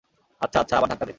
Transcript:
আচ্ছা, আচ্ছা, আবার ধাক্কা দে।